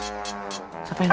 siapa yang tanya ceh